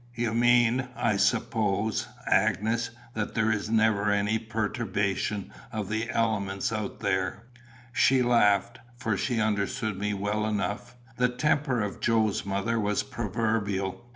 "You mean, I suppose, Agnes, that there is never any perturbation of the elements out there?" She laughed; for she understood me well enough. The temper of Joe's mother was proverbial.